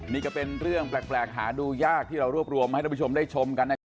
นี่ก็เป็นเรื่องแปลกหาดูยากที่เรารวบรวมมาให้ท่านผู้ชมได้ชมกันนะครับ